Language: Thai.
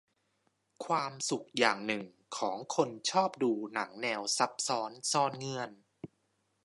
ความสุขอย่างหนึ่งของคนชอบดูหนังแนวซับซ้อนซ่อนเงื่อน